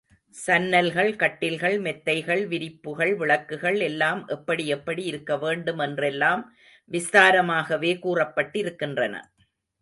சன்னல்கள், கட்டில்கள், மெத்தைகள், விரிப்புகள், விளக்குகள் எல்லாம் எப்படி எப்படி இருக்க வேண்டும் என்றெல்லாம் விஸ்தாரமாகவே கூறப்பட்டிருக்கின்றன.